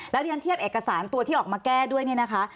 แล้วที่ฉันเทียบเอกสารตัวที่ออกมาแก้ด้วยเนี่ยนะคะ